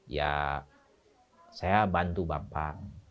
ya saya bantu bapak